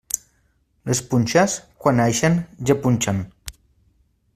Les punxes, quan naixen, ja punxen.